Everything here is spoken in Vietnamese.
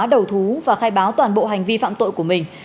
đầu thú và khai báo toàn bộ hành vi phạm tội của mình